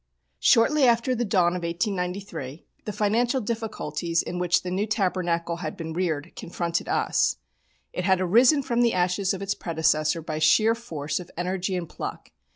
Shortly after the dawn of 1893 the financial difficulties in which the New Tabernacle had been reared confronted us. It had arisen from the ashes of its predecessor by sheer force of energy and pluck.